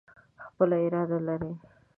خپله اراده لري.